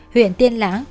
huyện tiên lã